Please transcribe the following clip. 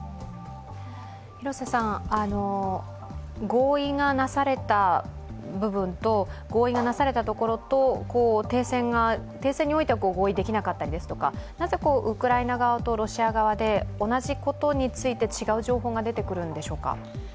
合意がなされた部分と合意がなされたところと停戦においては合意できなかったりとかなぜウクライナ側とロシア側で同じことについて違う情報が出てくるんでしょうか。